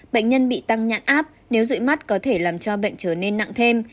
bệnh nhân bị tăng nhãn áp nếu rụi mắt có thể làm cho bệnh trở nên nặng thêm